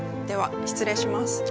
では失礼します。